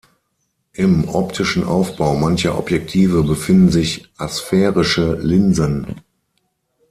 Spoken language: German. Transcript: Im optischen Aufbau mancher Objektive befinden sich asphärische Linsen.